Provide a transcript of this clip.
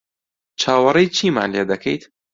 چاوەڕێی چیمان لێ دەکەیت؟